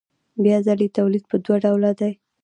بیا ځلي تولید په دوه ډوله دی